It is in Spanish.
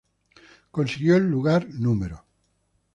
Consiguió el lugar No.